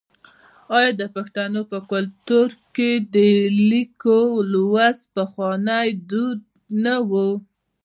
آیا د پښتنو په کلتور کې د لیک لوستل پخوانی دود نه و؟